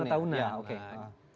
ini yang terjadi di jawa tenggara